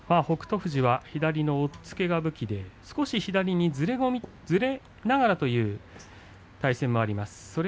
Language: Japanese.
富士が左の押っつけが武器で少し左にずれながらという対戦もあります。